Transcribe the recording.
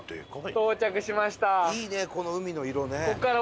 到着しました。